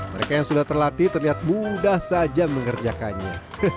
mereka yang sudah terlatih terlihat mudah saja mengerjakannya